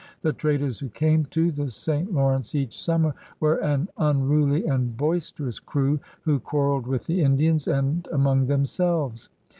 The traders who came to the St. Lawrence each summer were an unruly and boister ous crew who quarreled with the Indians and among themselves.